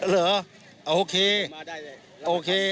หรือโอเคโอเค